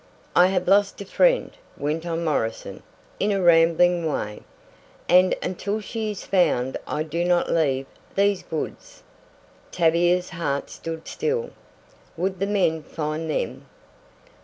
"I have lost a friend," went on Morrison, in a rambling way, "and until she is found I do not leave these woods." Tavia's heart stood still. Would the men find them?